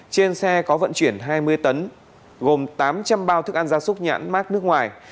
trên xe có vận chuyển hai mươi tấn gồm tám trăm linh bao thức ăn gia súc nhãn mát nước ngoài